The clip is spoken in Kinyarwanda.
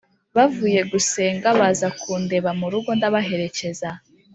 Bavuye gusenga bazakundeba murugo ndabaherekeza